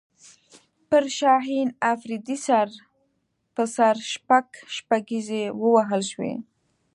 پر شاهین افریدي سر په سر شپږ شپږیزې ووهل شوې